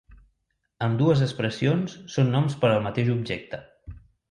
Ambdues expressions són noms per al mateix objecte.